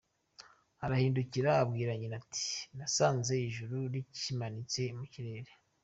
Arahindukira abwira nyina ati :”nasanze ijuru rikimanitse mu kirere”.